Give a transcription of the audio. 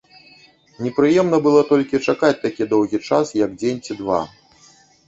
Непрыемна было толькі чакаць такі доўгі час, як дзень ці два.